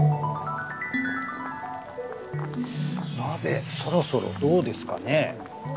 鍋そろそろどうですかね？